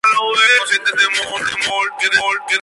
Esta es una forma de abordar el problema del mundo pequeño.